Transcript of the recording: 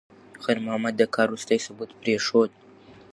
خیر محمد د کار وروستی ثبوت پرېښود.